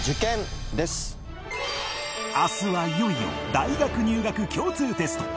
明日はいよいよ大学入学共通テスト